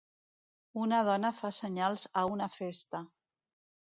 Una dona fa senyals a una festa.